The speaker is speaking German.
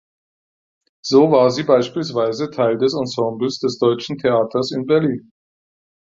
So war sie beispielsweise Teil des Ensembles des Deutschen Theaters in Berlin.